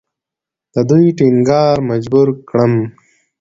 د دوی ټینګار مجبوره کړم.